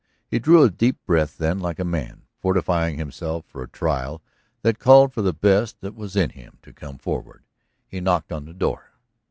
He drew a deep breath then, like a man fortifying himself for a trial that called for the best that was in him to come forward. He knocked on the door.